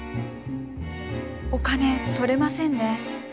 お金取れませんね。